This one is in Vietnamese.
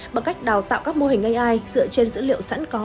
bằng cách đào tạo các mô hình ai dựa trên dữ liệu sản xuất